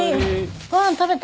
ご飯食べた？